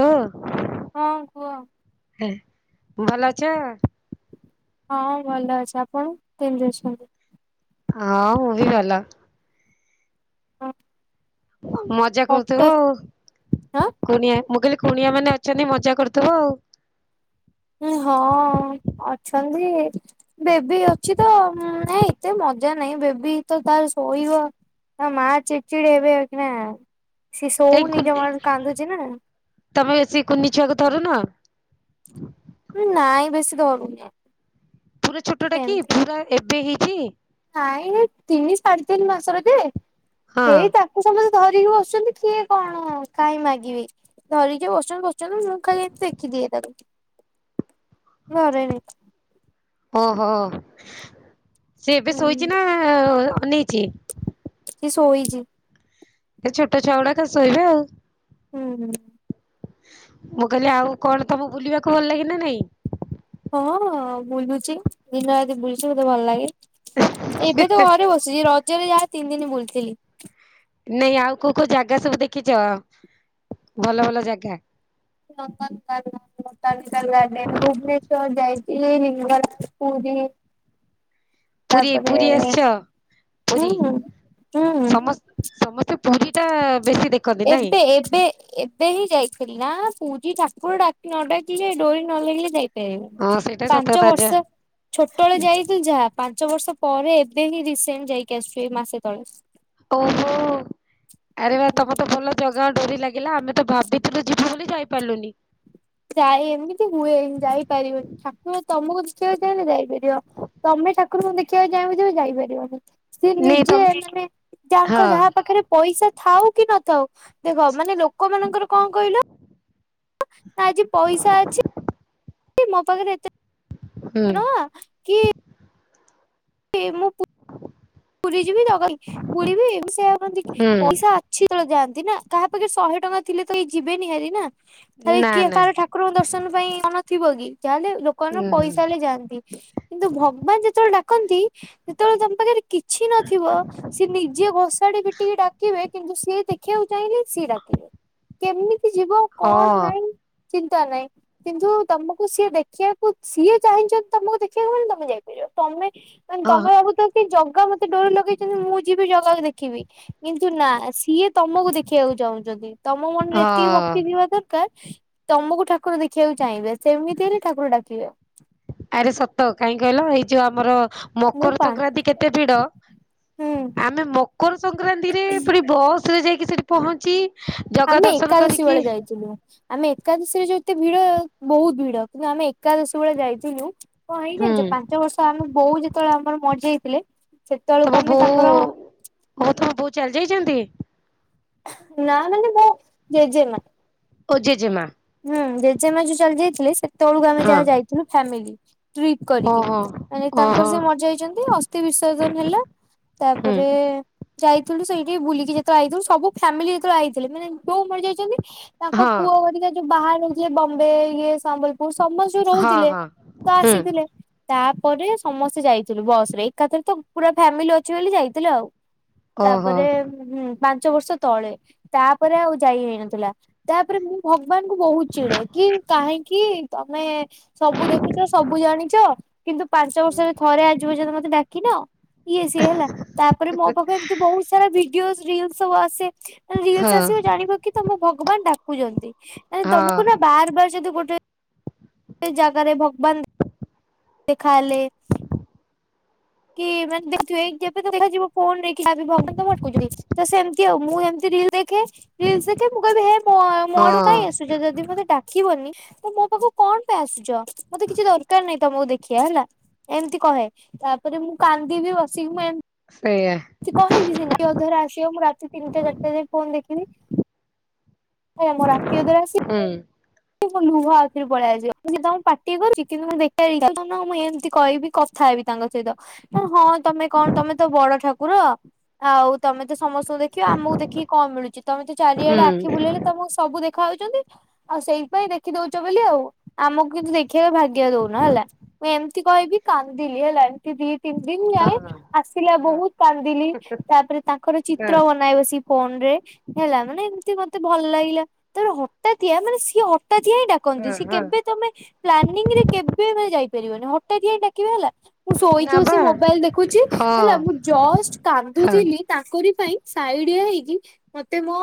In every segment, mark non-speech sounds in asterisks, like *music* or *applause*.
ହଁ ହଁ କୁହ ହେଁ ଭଲ ଅଛ? ହଁ ଭଲ ଅଛି ଆପଣ କେମିତି ଅଛନ୍ତି? ହଁ ମୁଁବି ଭଲ। *unintelligible* ଆ ମଜା କରୁଥିବ ହଠାତ୍ ଆଉ। ଆଁ କୁଣିଆ ମୁଁ କହିଲି କୁଣିଆ ମାନେ ଅଛନ୍ତି ମଜା କରୁଥିବ ଆଉ। ଉ ହଁ ଅଛନ୍ତି ବେବି ଅଛି ତ ନାଇଁ ଏତେ ମଜା ନାଇଁ ବେବି ତ ତାର ଶୋଇବ। ତା ମା ଚିଡଚିଡି ହେବେ ଏଖିନା ସେ କାଇଁ ଶୋଉନି କୁନି ଜମାରୁ କାନ୍ଦୁଚି ନା। ତମେ ଏସି କୁନି ଛୁଆକୁ ଧରୁନ? ଉଁ ନାଇଁ ବେଶୀ ଧରୁନି। ପୁରା ଛୋଟଟା କି ପୁରା ଏବେ ହେଇଚି? ନାଇଁମ ତିନି ସାଢେ ତିନି ମାସରେ ଯେ ହଁ ହେଇ ତା ମୁଁ ସମସେ ଧରିକି ବସଛନ୍ତି କିଏ କଣ କାଇଁ ମାଗିବି ଧରିକି ବସଚନ୍ତି ବସ୍ ତେଣୁ ମୁଁ ଖାଲି ଦେଖିଦିଏ ତାକୁ ଘରେନି। ଓହୋ ସେ ଏବେ ଶୋଇଚି ହୁଁ। ନା ଆଁ ଅନେଇଚି? ସେ ଶୋଇଚି। ଏ ଛୋଟ ଛଉଡାକା ଶୋଇବେ ଆଉ। ହୁଁ ହୁଁ। ମୁଁ କହିଲି ଆଉ କଣ ତମକୁ ବୁଲିବାକୁ ଭଲ ଲାଗି ନା ନାଇଁ? ହଁ ବୁଲୁଚି ଦିନ ରାତି ବୁଲୁଚି ମତେ ଭଲ ଲାଗେ ଏବେ ତ ଘରେ ବସ ଶ୍ରୀ ରଜରେ ଯାହା ତିନି ଦିନ ବୁଲଥିଲି। ନାଇଁ ଆଉ କୋଉ କୋଉ ଜାଗା ସବୁ ଦେଖିଚ? ଭଲ ଭଲ ଜାଗା। ଲବାଲ କାଳୀ ମନ୍ଦିର। *unintelligible* ଭୁବନେଶ୍ଵର ଯାଇଥିଲ ଲିଙ୍ଗ ରାଜ ପୁରି ପୁରୀ ପୁରୀ ଆସିଛ? ପୁରୀ ହୁଁ ହୁଁ ସମସ୍ ସମସ୍ତେ ପୁରୀଟା ବେଶୀ ଦେଖ୍ ଏବେ ଏବେ ଏ ଏବେ ହିଁ ଯାଇଥିଲି ନା ପୁରୀ ଠାକୁର ଡାକି ନ ଡାକିଲେ ଡୋରି ନ ଲାଗିଲେ ଯାଇ ହଁ ପାରିବନି। ସେଇଟା ସତ ପାଞ୍ଚ କଥା ଯା ବର୍ଷ ଛୋଟବେଳେ ଯାଇ ଥିଲି ଯାହା ପାଞ୍ଚ ବର୍ଷ ପରେ ଏବେ ହିଁ ରିସେଣ୍ଟ ଯାଇକି ଆସିଛୁ ଏଇ ମାସେ ତଳେ। ଓହୋ। ଆରେ ବା ତମର ତ ଭଲ ଜଗାଙ୍କ ଡୋରି ଲାଗିଲା। ଆମେ ତ ଭାବିଥିଲୁ ଯିବୁ ବୋଲି ଯାଇପାରିଲୁନି। ଯାଇ ଏମିତି ହୁଏ ଯାଇପାରିବନି। ଠାକୁର ତମୁକୁ ଦେଖିଆକୁ ଚାହିଁଲେ ଯାଇପାରିବ। ତମେ ଠାକୁରୁଙ୍କୁ ଦେଖିବାକୁ ଚାହିଁବ ଯେବେ ଯାଇପାରିବନି। ସିଏ ନାଇଁ ନିଜେ ତମ ମାନେ ତାଙ୍କ ହଁ ଯାହା ପାଖେରେ ପଇସା ଥାଉ କି ନଥାଉ। ଦେଖ ମାନେ ଲୋକମାନଙ୍କର କଣ କହିଲ ନା ଆଜି ପଇସା ଅଛି ମୋ ପାଖେରେ ଏତେ ହୁଁ ଟଙ୍କା କି କି ମୁଁ ପୁ-ପୁରୀ ଯିବି *unintelligible* ବୁୁଲିବି *unintelligible* ହୁଁ ପଇସା ଛି ଯେତେବେଳେ ଯାଆନ୍ତି ନା। କାହା ପାଖେରେ ଶହେ ଟଙ୍କା ଥିଲେ ତ କେହି ଯିବେନି ଭାରି ନା। ଖାଲି ନା କିଏ ନା କାହାର ଠାକ୍ କୁରଙ୍କୁ ଦର୍ଶନ ପାଇଁ ମନ ଥିବ କି? ଯାହା ହେଲେ ଲୋକମାନଙ୍କ ହୁଁ ପଇସା ହଁ। ହେଲେ ଯାଆନ୍ତି। କିନ୍ତୁ ଭଗବାନ ଯେତେବେଳେ ଡାକନ୍ତି ସେତେବେଳେ ତମ ପାଖେରେ କି ଛି ନଥିବ ସିଏ ନିଜେ ଘୋଷାଡି ପିଟିକି ଡାକିବେ କିନ୍ତୁ ସିଏ ଦେଖିବାକୁ ଚାହିଁଲେ ସିଏ ଡାକିବେ। କେମିତି ଯିବ କଣ ନାଇଁ ଚିନ୍ତା ନାହିଁ। କିନ୍ତୁ ତମୁକୁ ସିଏ ଦେଖିବାକୁ ସିଏ ଚାହିଁଛନ୍ତି ତମୁକୁ ଦେଖିବାକୁ ମାନେ ତମେ ଯାଇପାରିବ। ତମେ ମାନେ ହଁ ତମେ ଭାବୁଥିବ କି ଜଗା ମ ତେ ଡୋରି ଲଗେଇଛନ୍ତି ମୁଁ ଯିବି ଜଗାକୁ ଦେଖିବି। କିନ୍ତୁ ନା ସିଏ ତମୁକୁ ଦେଖିବାକୁ ଚାହୁଁଛନ୍ତି। ତମ ମନରେ ହଁ ଏତିକି ଭକ୍ତି ଥିବ ତ କାର ତମୁକୁ ଠାକୁର ଦେଖିବାକୁ ଚାହିଁବେ। ସେମିତି ହେଲେ ଠାକୁର ଡାକିବେ। ଆରେ ସତ କାହିଁ କହିଲ ଏଇ ଯୋଉ ଆମର ମୁଁ ମକର ପା ସଂକ୍ରାନ୍ତି କେତେ ଭିଡ? ହୁଁ ଆମେ ମ କର ସଂକ୍ରାନ୍ତିରେ ପୁଣି ବସରେ ଯାଇକି ସେଇଠି ପହଞ୍ଚି ଜଗା ଆମେ ଦର୍ଶନ ଏକାଦଶୀ କରିକି ବେଳେ ଯାଇଥିଲୁ। ଆମେ ଏକାଦଶୀରେ ଯୋତେ ଭିଡ। ବହୁତ ଭିଡ କିନ୍ତୁ ଆମେ ଏକାଦଶୀ ବେଳେ ଯାଇଥିଲୁ। କଣ ହେଇଛି ହୁଁ ଜାଣିଛ ପାଞ୍ଚ ବର୍ଷ ଆମ ବୋଉ ଯେତେବେଳେ ଆମର ମରି ଯାଇଥିଲେ ତମ ବୋଉ ଓଃ ତମ ବୋଉ ଚାଲି ଯାଇଛନ୍ତି? ନା ମାନେ ମୋ ଜେଜେମାଆ। ଓ ଜେଜେମାଆ? ହୁଁ ଜେଜେମାଆ ଯୋଉ ଚାଲି ଯାଇଥିଲେ, ସେତେବେଳକୁ ଆମେ ହଁ ଯାହା ଯାଇଥିଲୁ ଫ୍ୟାମିଲି। ଟ୍ରିପ୍ କରିକି। ଓହୋ ମାନେ ଓହୋ ତାଙ୍କର ସିଏ ମରି ଯାଇଛନ୍ତି। ଅସ୍ଥି ବିସର୍ଜନ ହେଲା। ହୁଁ ତାପରେ ଯାଇଥିଲୁ ସେଇଠି ବୁଲିକି ଯେତେବେଳେ ଆଇଥିଲୁ। ସବୁ ଫ୍ୟାମିଲି ଯେତେବେଳେ ଆଇଥିଲେ ମାନେ ବୋଉ ମରି ଯାଇଛନ୍ତି। ତାଙ୍କ ହଁ ପୁଅ ଘରିକା ଯୋଉ ବାହାରେ ରହୁଥିଲେ ବମ୍ବେ ଇଏ ସମ୍ବଲପୁର ସମସ୍ ସ୍ତେ ହଁ ରହୁଥିଲେ ହଁ ତ ହୁଁ ଆସିଥିଲେ। ତାପରେ ସମସ୍ତେ ଯାଇଥିଲୁ ବସରେ। ଏକାଥରେ ତ ପୁରା ଫ୍ୟାମିଲି ଅଛୁ ବୋଲି ଯାଇଥିଲୁ ଆଉ। ଓହୋ ତାପରେ ଉମ୍ ହୁଁ ପାଞ୍ଚ ବର୍ଷ ତଳେ। ତାପରେ ଆଉ ଯାଇ ହେଇନଥିଲା। ତାପରେ ମୁଁ ଭଗ୍ ବାନଙ୍କୁ ବହୁତ ଚିଡେ କି କାହିଁକି ତମେ ସବୁ ଦେଖୁଛ ସବୁ ଜାଣିଛ। କିନ୍ତୁ ପାଞ୍ଚ ବର୍ଷରେ ଥରେ ଆଜି ପର୍ଯ୍ୟନ୍ତ ମତେ ଡାକିନ? ଇଏ ସିଏ ହେଲା। ତାପରେ ମୋ *unintelligible* ଏମତି ବହୁତ ସାରା ଭିଡିଓସ୍ ରିଲ୍ସ ସବୁ ଆସେ। ହଁ ରିଲ୍ସ ଆସିବ ଜାଣିବ କି ତମୁକୁ ଭଗବାନ ଡାକୁଛନ୍ତି। ମାନେ ତମୁକୁ ନା ହଁ ବାର ବାର ଯଦି ଗୋଟେ ଏ ଜାଗାରେ ଭଗବାନ ଦେ-ଦେଖାହେଲେ କି ମାନେ ଦେଖୁଥିବେ ଏଇ କେବେ ତ ଦେଖାଯିବ ଫୋନରେ କି *unintelligible* ଭଗବାନ ତମୁକୁ ଅଟକଉଚନ୍ତି। ତ ସେମିତି ଆଉ ମୁଁ ଏମିତି ରିଲ ଦେଖେ ରିଲ୍ସ ଦେଖେ ମୁଁ କହିବି ହେ ମୋ ମୋଆଡୁ ହଁ କାଇଁ ଆସଛ ଯଦି ମୋତେ ଡା କିବନି ତୁ ମୋ ପାଖକୁ କଣ ପାଇଁ ଆସୁଛ ମତେ କିଛି ଦରକାର ନାହିଁ ତମକୁ ଦେଖିବା ହେଲା। ଏମତି କହେ ତାପରେ ମୁଁ କାନ୍ଦିିବି ବସିକି ମୁଁ ଏ ସେଇଆ। କି କହିବି ସେମିତି ଅଧର ଆସିବ ମୁଁ ରାତି ତିନିଟା ଚାରିଟା ଯାଏ ଫୋନ ଦେଖିବି। ଆଜ୍ଞା ରାତି ଅଦରେ ଆସି ଉଁ ଲୁହ ଆଖିରେ ପଳେଇଆଯିବ ତମ ପାଟି କରୁଛି କିନ୍ତୁ ଦେଖଛି ମୁଁ ଏମିତି କଇବି। ଥାଏବି ତାଙ୍କ ସହିତ କଣ ହଁ ତମେ କଣ ତମେ ତ ବଡ ଠାକୁର। ଆଉ ତମେ ତ ସମସ୍ତଙ୍କୁ ଦେ ଦେଖ ଆମକୁ ଦେଖିକି କଣ ମିଳୁଛି ତମେ ତ ଚାରିଆଡେ ଆଖି ହୁଁ ବୁଲେଇଲେ ତମକୁ ସବୁ ଦେଖାଉଛନ୍ତି ଆଉ ସେଇ ପାଇଁ ଦେଖି ଦଉଛ ବୋଲି ଆଉ ଆମକୁ କିନ୍ତୁ ଦେଖିବାକୁ ଭାଗ୍ୟ ଦଉନ ହେଲା। ମୁଁ ଏମିତି କହିବି କାନ୍ଦିଲି ହେଲା ଏମିତି ଦି ତିନି ଦିନ ହଁ ଯାଏ ହଁ ଆସିଲା ବହୁତ କାନ୍ଦିଲି ତାପରେ ତାଙ୍କର ହଁ ଚିତ୍ର ବନାଏ ବସି। ଫୋନ ରେ ହେଲା ମାନେ ଏମିତି ମତେ ଭଲ ଲାଗିଲା। ତା ହଟାତିଆ ମାନେ ସିଏ ହଟାତିଆଁ। ହଁ କନଜସି ହଁ କେବେ ତମେ ପ୍ଲାନିଂରେ କେବେ ମା ଯାଇପାରିବନି ହଟାତିଆ ଡାକିବେ ହେଲା। ମୁଁ ନା ଶୋଇକି ବସି ବା ମୋବାଇଲ ଦେଖୁଛି ହଁ ହେଲା ମୁଁ ଜଷ୍ଟ ହଁ କାନ୍ଦୁଥିଲି ତାଙ୍କରି ପାଇଁ ସାଇଡିଆ ହେଇକି ମତେ ମୋ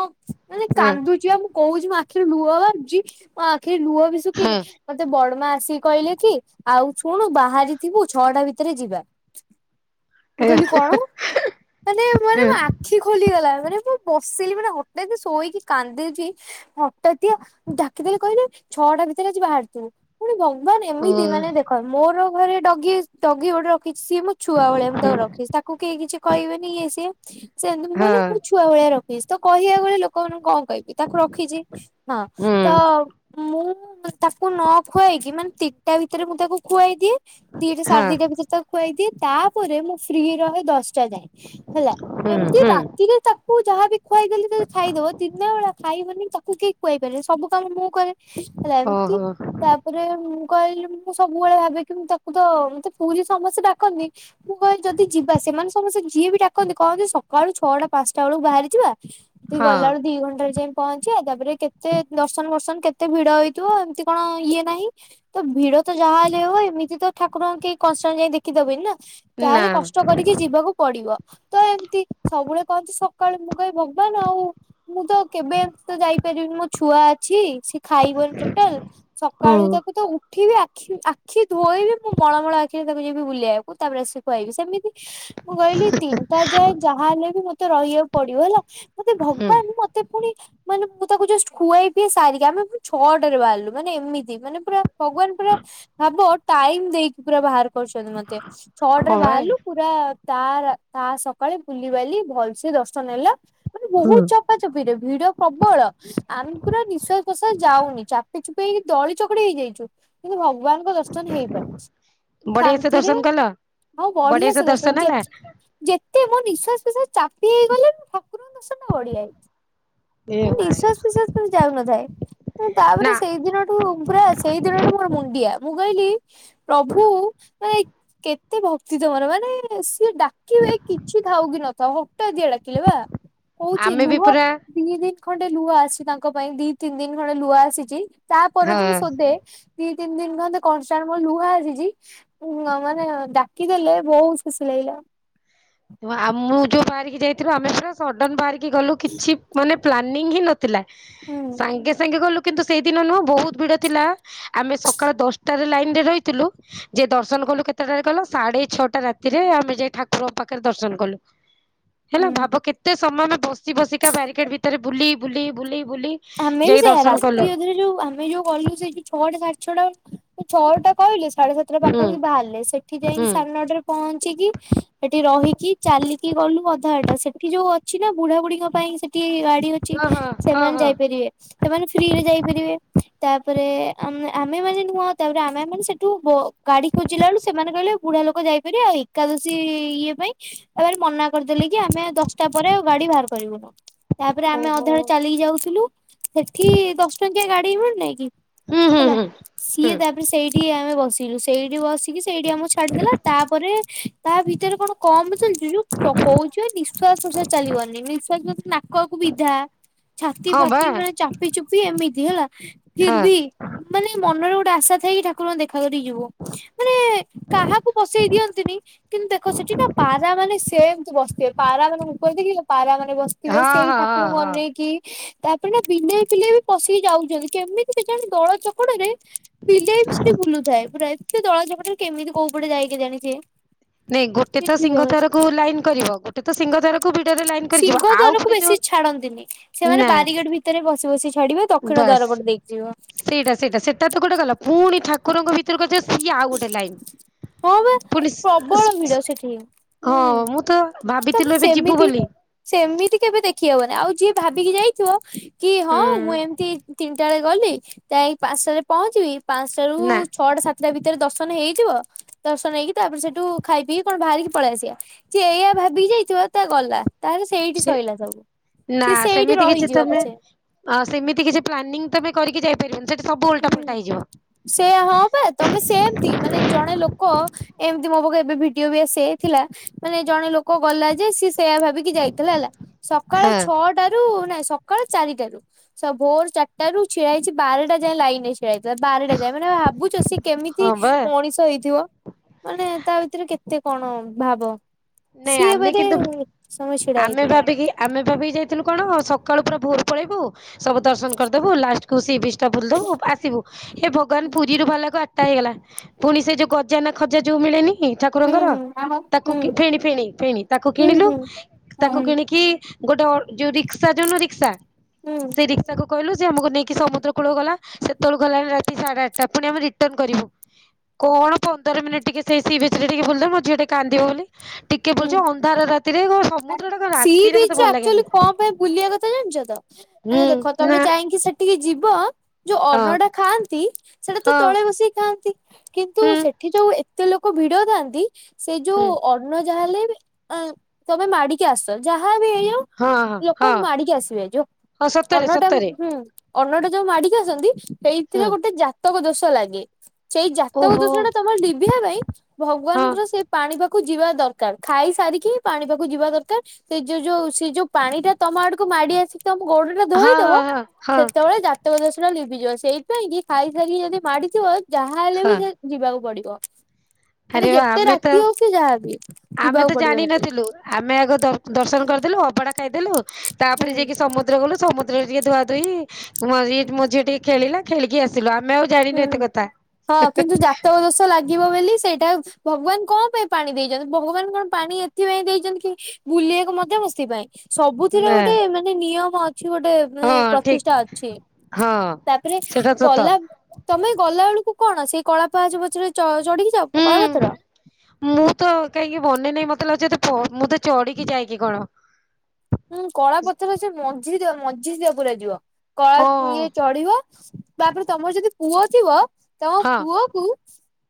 ମାନେ ହଁ କାନ୍ଦୁଛି ଆଉ। କହୁଛି ମୋ ଆଖିରୁ ଲୁହ ବାହରୁଛି ମୋ ଆଖିରେ ଲୁହ ବି ଶୁଖିନି। ହଁ ମତେ ବଡମା ଆସିକି କହିଲେ କି ଆଉ ଶୁଣୁ ବାହାରି ଥିବୁ ଛଅଟା ଭିତରେ ଯିବା। ଏ ମୁଁ କହିଲି କଣ? ମାନେ ମାନେ ହଁ ମୋ ଆଖି ଖୋଲିଗଲା ମାନେ ମୁଁ ବସିଲି ମାନେ ହଠାତ୍ ଶୋଇକି କାନ୍ଦୁଛି। ହଟାତିଆ କେତେଲେ କହିଲେ ଛଅଟା ଭିତରେ ଆଜି ବାହାରିଥିଲୁ। ପୁଣି ଭଗବାନ ଏମିତି ମାନେ ଦେଖ ମୋର ଘରେ ଡଗି ଡଗି ଗୋଟେ ରଖିଛି ସିଏ ମୁଁ ଛୁଆ ଭଳିଆ ମୁ ତାକୁ ରଖି ତାକୁ କେହି କିଛି କହିବେନି ଇଏ ସିଏ ସେ ସେନ୍ତି ମୁଁ ହଁ ଛୁ ଛୁଆ ଭଳିଆ ରଖିଛି ତ କହିବା ବଳେ ଲୋକମାନଙ୍କୁ କଣ କହିବି ତାକୁ ରଖିଛି ହଁ। ତ ମୁଁ ତାକୁ ନ ଖୁଆଇକି ମାନେ ତିନିଟା ଭିତରେ ମୁଁ ତାକୁ ଖୁଆଇଦିଏ। ଦିଟା ହଁ ସାଢ଼େ ଦିଟା ଭିତରେ ତାକୁ ଖୁଆଇ ଦିଏ ତାପରେ ମୁଁ ଫ୍ରି ରହେ ଦଶ ଟା ଯାଏ ହେଲା ହୁଁ ଏମିତି ହୁଁ ରାତିରେ ତାକୁ ଯାହାବି ଖୁଆଇଦେଲି ଖାଇଦବ ଦିନ ବେଳା ଖାଇବନି ତାକୁ କେହି ଖୁଆଇ ପାରିବେ ସବୁ କାମ ମୁଁ କରେ। ହେଲା ଏମତି। ଓହୋ ତାପରେ ମୁଁ କହିଲି ମୁଁ ସବୁବେଳେ ଭାବେ କି ମୁଁ ତାକୁ ତ ମତେ ପୁରୀ ସମସ୍ତେ ଡାକନ୍ତିି। ମୁଁ କହିଲେ ଯଦି ଯିବା ସେମାନେ ସମସ୍ତେ ଯିଏ ବି ଡାକନ୍ତି କହନ୍ତି ସକାଳୁ ଛଅଟା ପାଞ୍ଚଟା ବେଳକୁ ବାହାରି ଯିବା। ତୁ ହଁ ଗଲାବେଳୁ ଦି ଘଣ୍ଟାରେ ଯାଇ ପହଞ୍ଚିବା ତାପରେ କେତେ ଦର୍ଶନ ବର୍ଶନ କେତେ ଭିଡ ହେଇଥିବ ଏମିତି କଣ ଇଏ ନାହିଁ ତ ଭିଡ ତ ଯାହା ହେଲେ ହବ ଏମିତି ତ ଠାକୁରଙ୍କୁ କନଷ୍ଟାନ୍ଟ ଯାଇ ଦେଖି ଦେବନି ନା। ନା ଯାହେଲେ କଷ୍ଟ କରିକି ଯିବାକୁ ପଡିବ। ତ ଏମିତି ସବୁବେଳେ କହନ୍ତି ସକାଳେୁ ମୁଁ କାଇ ଭଗବାନ ଆଉ ମୁଁ ତ କେବେ ଏମତି ତ ଯାଇପାରିବିନି ମୋ ଛୁଆ ଅଛି ସେ ଖାଇବନି ଟୋଟାଲ ସକାଳୁ ହୁଁ। ତାକୁ ତ ଉଠ ଉଠିବି ଆଖି ଆଖି ଧୋଇବି। ମୁଁ ମଳମୂଳ ଆଖିରେ ତାକୁ ଯିବି ବୁଲେଇବାକୁ। ତାପରେ ଆସି ଖୁଆଇବି ସେମିତି ମୁଁ କହିଲି ତିନିଟା ଯାଏ ଯାହା ହେଲେ ବି ମତେ ରହିବାକୁ ପଡିବ ହେଲା। ମତେ ହୁଁ ଭଗବାନ ମତେ ପୁଣି ମାନେ ମୁଁ ତାକୁ ଜଷ୍ଟ୍ ଖୁଆଇ ପିଇ ସାରିକି ଆମେ ଛଅଟାରେ ବାହାରିଲୁ ମାନେ ଏମିତି ମାନେ ପୁରା ଭଗବାନ ପୁରା ଭାବ ଟାଇମ ଦେଇକି ପୁରା ବାହାର କରୁଛନ୍ତି ମତେ ଛଅଟାରେ ହଁ ବା ବାହାରିଲୁ। ପୁରା ତାର ତା ସକାଳେ ବୁଲିବାଲି ଭଲସେ ଦର୍ଶନ ହେଲା ମାନେ ବହୁତ ଚ ଚପା ଚପିରେ ଭିଡ ପ୍ରବଳ ଆମେ ପୁରା ନିଶ୍ଵାସ ପ୍ରଶାସ ଯାଉନି ଚାପି ଚୁପି ହେଇକି ଦଳି ଚକଡି ହେଇଯାଇଛୁ। କିନ୍ତୁ ଭଗବାନ ଦର୍ଶନ ହେଇପାରିଛି ବଢିଆ ସେ ଶାନ୍ତିରେ ଦର୍ଶନ କଲ? ଆଉ ବଢିଆ ସେ ଦର୍ଶନ ଯେ କେତେ ମୋ ନିଶ୍ୱାସ ଫଶ୍ୱାସ ଚାପି ହେଇଗଲେ ମୁଁ ଠାକୁରଙ୍କ ଦର୍ଶନ ବଢିଆ ହେଇଛି। *unintelligible* ଯାଉନଥାଏ ନା ତାପରେ ସେ ସେ ଦିନଠୁ ପୁରା ସେଇ ଦିନଠୁ ମୋର ମୁଣ୍ଡିଆ ମୁଁ କହିଲି ପ୍ରଭୁ ମାନେ କେତେ ଭକ୍ତି ତମର ମାନେ ସ କିଏ ଡାକିବେ କିଛି ଥାଉ କି ନଥାଉ ହଠାତ୍ ଯିଏ ଡାକିଲେ ବା କଉଛି ଆମେ ବି ଲୁହ ପୁରା ତିନି ଦିନ ଖଣ୍ଡେ ଲୁହ ଆସିଛି ତାଙ୍କ ପାଇଁ ଦି ତିନି ଦିନ ଖଣ୍ଡେ ଲୁହ ଆସିଛି। ତାପରେ ହଁ। ତ ମୁଁ ଶୋଦେ ଦି ତିନି ଦିନ ଖନ୍ତେ କନଷ୍ଟାଣ୍ଟ ମୋର ଲୁହା ଆସିଛି। ହୁଁ ମାନେ ଡାକିଦେଲେ ବହୁତ ଖୁସି ଲାଗିଲା। ଆ ମୁଁ ଯୋଉ ବାହାରିକି ଯାଇଥିଲୁ ଆମେ ପୁରା ସଡନ ବାହାରିକି ଗଲୁ କିଛି ମାନେ ପ୍ଲାନିଂ ହିଁ ନ ଥିଲା ହୁଁ ସାଙ୍ଗେ ସାଙ୍ଗେ ଗଲୁ କିନ୍ତୁ ସେଇ ଦିନ ନୁହଁ ବହୁତ ଭିଡ ଥିଲା ଆମେ ସକାଳ ଦଶଟାରେ ଲାଇନରେ ରହିଥିଲୁ। ଯେ ଦର୍ଶନ କଲୁ କେତେଟାରେ ଗଲ ସାଢେ ଛଅଟା ରାତିରେ ଆମେ ଯାଇ ଠାକୁରଙ୍କ ପାଖ ଖରେ ଦର୍ଶନ କଲୁ ହେଲା ହୁଁ। ଭାବ କେତେ ସମାନେ ବସି ବସିକା ବାରିକେଡ ଭିତରେ ବୁଲି ବୁଲି ବୁଲି ବୁଲି ଆମେ ବି ଯାଇ ସେୟା ଦର୍ଶନ କଲୁ। ରାତି ଅଧରେ ଯୋଉ ଆମେ ଯୋଉ ଗଲୁ ସେ ଛଅଟା ସାଢେ ଛଟା ଛଅ ଟା କହିଲେ ସାଢେ ସାତଟା ହୁଁ ପାଖା ପାଖି ବାହାରିଲେ ସେ ଏଠି ଯାଇକି ହୁଁ ସାଡେ ନ ଟା ରେ ପହଞ୍ଚିକି ସେଠି ରହିକି ଚାଲିକି ଗଲୁ ଅଧା ବାଟ ସେଠି ଯୋଉ ଅ ଅଛି ନା ବୁଢା ବୁଢୀଙ୍କ ପାଇଁ ସେଠି ଗାଡି ଅଛି ହଁ ହଁ ହଁ ସେମାନେ ହଁ ଯାଇ ସେମାନେ ଫ୍ରି ରେ ଯାଇପାରିବେ। ତାପରେ ଆ ଆମେ ମାନେ ନୁହଁ ତାପରେ ଆମେ ମାନେ ସେଠୁ ଗାଡି ଖୋଜିଲା ଲୁ ସେମାନେ କହିଲେ ବୁଢା ଲୋକ ଯାଇପାରିବେ ଆଉ ଏକାଦଶୀ ଇଏ ପାଇଁ ର ମନା କରିଦେଲି କି ଆମେ ଦଶଟା ପରେ ଗାଡି ବାହାର କରିବୁନୁ। ତାପରେ ଆମେ ଓହୋ ଅଧାଡେ ଚାଲିକି ଯାଉଥିଲୁ ସେଠି ଦଶ ଟଙ୍କିଆ ଗାଡି ମିଲୁ ନାହିଁ କି ହୁଁ ହୁଁ ହେଲା ହୁଁ ସିଏ ହୁଁ ତାପରେ ସେଇଠି ଆମେ ବସିଲୁ ସେଇଠି ବସି ସେଇଠି ଆମର ଛାଡିଦେଲା ତାପରେ ତା ଭିତରେ କଣ କମ ଚାଲିଛୁ ଯୋଉ କହୁଛି ନିଶ୍ୱାସ ପ୍ରଶ୍ୱାସ ଚାଲିବନି ନିଶ୍ୱାସ ପୁଅ କୁ ବିଧା ଛାତି ହଁ ବା ଫାତି ମାନେ ଚାପି ଚୁପି ଏମିତି ହେଲା ଫିର ହଁ ବି ମାନେ ମନରେ ଗୋଟେ ଆଶା ଥାଇକି ଠାକୁର ଙ୍କୁ ଦେଖା କରିକି ଯିବୁ। ମାନେ କାହାକୁ ବସେଇ ଦିଅନ୍ତିନି। କିନ୍ତୁ ଦେଖ ସେଠି ନା ପାରା ମାନେ ସେମିତି ବସିଥିବେ ପାରା ମାନେଁ କ ଦେଖି ପାରାମାନେ ବସିିବେ। ଥିବେ ହଁ ସେଇ ହଁ ହଁ ଠାକୁରଙ୍କୁ ହଁ ଅନେଇକି ତାପରେ ନା ବିଲେଇ ପିଲେଇ ବି ପଶିକି ଯାଉଛନ୍ତି କେମିତି ବି କେଜାଣି ଦଳ ଚକଡରେ। ବିଲେଇ ବି ସେଠି ବୁଲୁଥାଏ ପୁରା ଏ ଦଳ ଚକଡା ରେ କେମିତି କୋଉ ପଟେ ଯାଏ କେଜାଣି ସେ ନାଇଁ ଗୋଟେ ତ ସିଂହ ଦ୍ୱାର କୁ ଲାଇନ କରିବ ଗୋଟେ ତ ସିଂହ ଦ୍ୱାରକୁ ଭିଡରେ ଲାଇନ ସିଂହ କରିଯିବ ଆଉ ଦ୍ୱାରକୁ ଗୋଟେ ବେଶୀ ଯୋଉ ଛାଡନ୍ତିନି ସେମାନେ ନା ବାରିଗେଡ ଭିତରେ ବସି ବସି ଛାଡିବ ଦକ୍ଷିଣ ବାସ୍ ଦ୍ୱାର ପଟେ ଦେଇକି ଯିବ। ସେଇଟା ସେଇଟା ସେଇଟା ତ ଗୋଟେ ଗଲା ପୁଣି ଠାକୁରଙ୍କ ଭିତରେ କୁ ସିଏ ଆଉ ଗୋଟେ ଲାଇନ୍ ହଁ ବା ପୁଣି ସ- ପ୍ରବଳ ସ- ଭିଡ ସ- ସେଠି ହୁଁ ହଁ ମୁଁ ତ ଭାବିଥିଲୁ ତମେ ଏବେ ଯିବୁ ସେମିତି ବୋଲି ସେମିତି କେବେ ଦେଖି ହବନି ଆଉ ଯିଏ ଭାବିକି ଯାଇଥିବ କି ହଁ ହୁଁ ମୁଁ ଏମିତି ସେଟା ବଳେ ଗଲି ଯାଇ ପାଞ୍ଚଟାରେ ପହଞ୍ଚିବି ପାଞ୍ଚଟାରେ ନା ଛଅଟା ସାତଟା ଭିତରେ ଦର୍ଶନ ହେଇଥଯିବ। ଦର୍ଶନ ନେଇକି ତାପରେ ସେଇଠୁ ଖାଇ ପିଇକି କଣ ବାହାରିକି ପଳେଇଆସିବା ଯିଏ ଏୟଆ ଭାବି ଯାଇଥିବ ତା ଗଲା। ତାହେଲେ ସେଇଠି ସେ ଶଇଲା ସବୁ ନା ସି ସେଇଠି ସେମିତି କିଛି ରହିଯିବ ତମେ ପଛେ। ଅ ସେମିତି କିଛି ପ୍ଲାନ୍ନିଂ ତମେ କରିକି ଯାଇପାରିବନି ସେଠି ସବୁ ଉଲଟା ଫଲଟା ହେଇଯିବ‌। ସେ ହଁ ବା ତମେ ସେମତି ମାନେ ଜଣେ ଲୋକ ଏମିତି ମୋ ପାଖ ଏବେ ଭିଡିଓ ବି ଆସିଯଇଥିଲା ମାନେ ଜଣେ ଲୋକ ଗଲା ଯେ ସିଏ ସେୟା ଭାବି ଯାଇଥିଲା ହେଲା ସକାଳ ହଁ। ଛଅ ଟାରୁ ନାଇଁ ସକାଳ ଚାରିଟାରୁ ଭୋର ଚାରିଟା ରୁ ଛିଡା ହେଇଛି ବାରଟା ଯାଏ ଲାଇନ *unintelligible* ଭାବୁଛ ସେ କେମିତି ହଁ ବା ମଣିଷ ହେଇଥିବ। ମାନେ ତା ଭିତରେ କେତେ କଣ ଭାବ ନାଇଁ ସିଏ ଆମେ ମାନେ। କିନ୍ତୁ ଆମେ ଭାବିକି ଆମେ ଭାବି ଯାଇଥିଲୁ କଣ ସକାଳୁ ପୁରା ଭୋର ପଳେଇବୁ ସବୁ ଦର୍ଶନ କରିଦେବୁ ଲାଷ୍ଟ ତୁ ସି ବିଷ୍ ଟା ବୁଲି ଦବୁ ଆସିବୁ ଏ ଭଗବାନ ପୁରୀରୁ ଭଲା ଗଲାକୁ ଆ ଟା ହେଇଗଲା ପୁଣି ସେ ଯୋଉ ଗଜା ନା ଖଜା ଯୋଉ ମିଳେନି। ନି ହୁଁ ଠାକୁରଙ୍କର ହୁଁ ହୁଁ ହୁଁ ତାକୁ କି ଫେଣି ଫେଣି ଫେଣି ତାକୁ କିଣିଲୁ ହୁଁ ତାକୁ ହୁଁ କିଣିକି ଗୋଟେ ଅର ଯୋଉ ରିକ୍ସା ଯୋଉନ ରିକ୍ସା ହୁଁ ନ ସେ ରିକ୍ ତାକୁ କହିଲୁ ଯେ ଆମକୁ ନେଇକି ସମୁଦ୍ର କୂଳ ଗଲା ସେତେବେକୁ ଗଲାଣି ରାତି ସାଢେ ଆଠଟା ପୁଣି ଆମେ ରିଟର୍ନ କରିବୁ। କଣ ପନ୍ଦର ମିନିଟ ଟିକେ ସେଇ ସି ବିଚ ରେ ଟିକେ ବୁଲଦବ ମୋ ଝିଅ ଟିକେ କାନ୍ଦିବ ବୋଲି‌। ଟିକେ ହୁଁ। ବୁଲିଛେ ଅନ୍ଧାର ରାତିରେ *unintelligible* ସି ରାତିରେ ମତେ ବିଚ ଭଲ ଲାଗେନି। ଆକଚୁଆଲି କଣ ପାଇଁ ବୁଲିବା କଥା ଜାଣିଛ ତ ହୁଁ ମାନେ ଦେଖ ନା ତମେ ଚା କାଇକି ସେଠିକି ଯିବ ଯୋଉ ହଁ ଅନ୍ନଟା ଖାଆନ୍ତି ସେଟା ତ ହଁ ତଳେ ବସିକି ଖାଆନ୍ତି କିନ୍ତୁ ହୁଁ ସେ ଏଠି ଯୋଉ ଏତେ ଲୋକ ଭିଡ ଥାଆନ୍ତି ସେ ଯୋଉ ହୁଁ ଅ ନ୍ନ ଯାହା ହେଲେ ଆ ତମେ ମାଡିକି ଆସ ଯାହାଵି ହେଇଯାଉ। ହଁ ହଁ ଲୋକ ହଁ। ମାଡିକି ଆସିବେ ଯୋଉ ହଁ ସତରେ ଅନ୍ନଟା ସତରେ ହୁଁ। ଅନ୍ନଟା ଯୋଉ ମାଡିକି ଆସନ୍ତି ସେଇଥିରେ ହୁଁ ଗୋଟେ ଜାତକ ଦୋଷ ଲାଗେ। ସେଇ ଜାତକ ଓହୋ ଦୋଷଣ ଟା ତମର ଡିଭିଆ ପାଇଁ ହଁ ଭଗବାନଙ୍କର ସେ ପାଣି ପାଖକୁ ଯିବା ଦରକାର ଖାଇ ସାରିକି ପାଣି ପାଖକୁ ଯିବା ଦରକାର। ସେ ଯୋଉ ଯୋଉ ସେ ଯୋଉ ପାଣି ଟା ତମ ଆଡକୁ ମାଡି ଆସିକି ତମ ଗୋଡଟା ହଁ ଧୋଇଦବ ହଁ ହଁ ହଁ। ସେତେବେଳେ ଯା ତକ ଲିଭିଯିବ ସେଇପାଇଁ କିି ଖାଇ ସାରିକି ଯଦି ମାଡିଥିବ ଯାହାହଲେ ବି ହଁ ସେ ଯିବାକୁ ପଡିବ ଆରେ ମାନେ ବା ଯେତେ ଆମେ ତ ରାତି ହଉ ସେ ଯାହା ଆମେ ତ ଜାଣିନଥିଲୁ ଆମେ ଆଗ ଦ-ଦର୍ଶନ କରିଦେଲୁ ଅବଢା ଖାଇଦେଲୁ। ତାପରେ ଯାଇକି ହୁଁ ସମୁଦ୍ର ଗଲୁ ସମୁଦ୍ରରେ ଟିକେ ଧୁଆ ଧୁଇ ମୋ ଝି ମୋ ଝିଅ ଟିକିଏ ଖେଳିଲା ଖେଳିକି ଆସିଲୁ ଆମେ ଆଉ ଜାଣିନୁ ହୁଁ। ଏତେ କଥା। ଯିବ ବୋଲି ସେଇଟା ଭଗବାନ କଣ ପାଇଁ ପାଣି ଦେଇଛନ୍ତି ଭଗବାନ କଣ ପାଣି ଏଥିପାଇଁ ଦେଇଛନ୍ତି କି ବୁଲିବାକୁ ମଧ୍ୟ ମସ୍ତି ପାଇଁ ସବୁଥିର ନା। ଗୋଟେ ମାନେ ନିୟମ ଅଛି ଗୋଟେ ହଁ ମାନେ ପ୍ରତିଷ୍ଠା ଠିକ ଅଛି ହଁ ତାପରେ ସେଟା ସତ ଗଲା। ତମେ ଗଲା ବେଳକୁ କଣ ସେଇ କଳା ପାହାଚ ପଛରେ ଚ-ଚଢିକି ଯାଅ ହୁଁ। କଳାପଥର ମୁଁ ତ କାହିଁକି ମାନେ ନାହିଁ ମତେ ଲାଗୁଛି *unintelligible* ମୁଁ ତ ଚଢିକି ଯାଇକି କଣ। ହୁଁ କଳା ପଥର ସେ ମଝିରେ ଦିଅ ମଝିରେ ଦିଅ ପୁର ଯିବ। ହଁ କଳା ଇଏ ଚଢିବ ତାପରେ ତମର ଯଦି ପୁଅ ଥିବ ତମ ହଁ। ପୁଅ କୁ